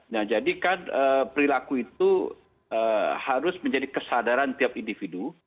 nah jadikan perilaku itu harus menjadi kesadaran tiap individu